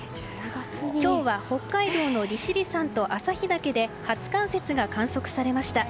今日は北海道の利尻山と旭岳で初冠雪が観測されました。